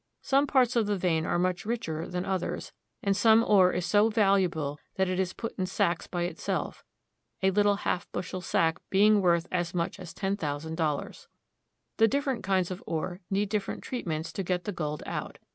Some parts of the vein are much richer than others, and some ore is so valuable that it is put in sacks by itself, a little half bushel sack being worth as much as ten thousand dollars. The different kinds of ore need different treatments to get the gold out.